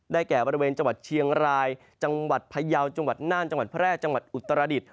แก่บริเวณจังหวัดเชียงรายจังหวัดพยาวจังหวัดน่านจังหวัดแพร่จังหวัดอุตรดิษฐ